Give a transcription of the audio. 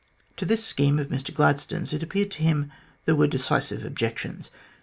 To this scheme of Mr Gladstone's it appeared to him there were decisive objections.